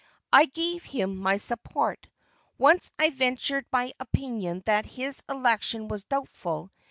I gave him my support. Once I ventured my opinion that his election was doubtful.